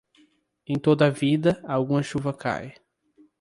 Em toda vida, alguma chuva cai.